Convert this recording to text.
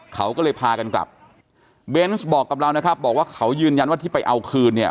เขาก็เลยพากันกลับเบนส์บอกกับเรานะครับบอกว่าเขายืนยันว่าที่ไปเอาคืนเนี่ย